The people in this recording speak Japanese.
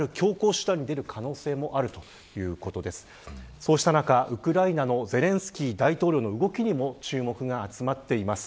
そうした中、ウクライナのゼレンスキー大統領の動きにも注目が集まっています。